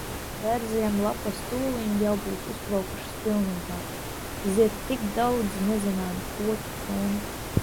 Bērziem lapas tūliņ jau būs uzplaukušas pilnībā. Zied tik daudzi nezināmi koki, krūmi.